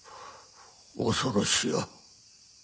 恐ろしや。